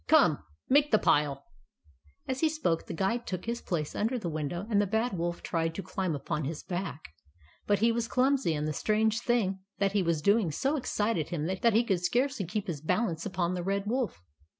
Come ! Make the pile." As he spoke, the Guide took his place under the window, and the Bad Wolf tried to climb upon his back. But he was clumsy, and the strange thing that he was doing so excited him that he could scarcely keep his balance upon the Red Wolf.